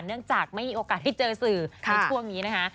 เนื่องจากไม่มีโอกาสได้เจอสื่อในช่วงนี้นะคะ